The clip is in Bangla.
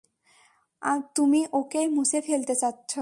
তুমি ওকেই মুছে ফেলতে চাচ্ছ।